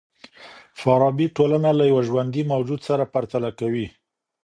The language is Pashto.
فارابي ټولنه له يوه ژوندي موجود سره پرتله کوي.